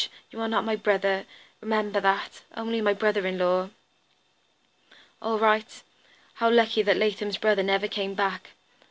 You are not my brother, remember that; only my brother in law." "All right. How lucky that Latham's brother never came back.